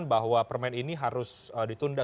bahwa permen ini harus ditunda